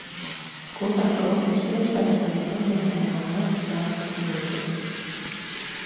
Kopā ar kolhozu priekšsēdētājiem organizējām valsts svētku svinības.